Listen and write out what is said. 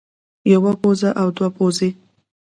يوه پوزه او دوه پوزې